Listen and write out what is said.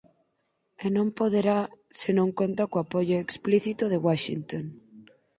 E non poderá se non conta co apoio explícito de Washington.